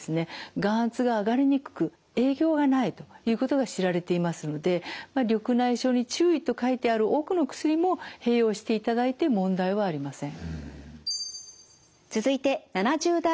眼圧が上がりにくく影響がないということが知られていますので「緑内障に注意」と書いてある多くの薬も併用していただいて問題はありません。